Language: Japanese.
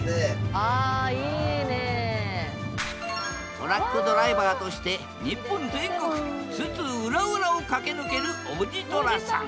トラックドライバーとして日本全国津々浦々を駆け抜けるおじとらさん。